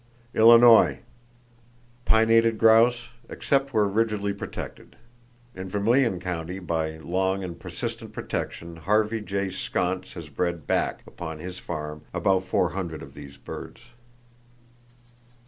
Illinois: Pinnated grouse, except where rigidly protected. In Vermillion County, by long and persistent protection Harvey J. Sconce has bred back upon his farm about 400 of these birds.